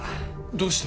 どうして？